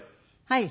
はい。